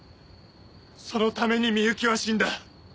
そのために深雪は死んだ！